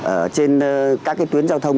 ở trên các cái tuyến giao thông